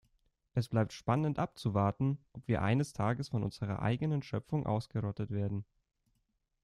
Es bleibt spannend abzuwarten, ob wir eines Tages von unserer eigenen Schöpfung ausgerottet werden.